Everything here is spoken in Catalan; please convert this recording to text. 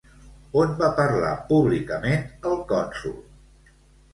On va parlar públicament el cònsol?